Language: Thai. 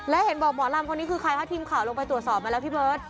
และเห็นบอกหมอลำคนนี้คือใครคะทีมข่าวลงไปตรวจสอบมาแล้วพี่เบิร์ต